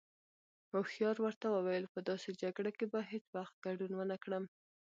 هوښيار ورته وويل: په داسې جگړه کې به هیڅ وخت گډون ونکړم.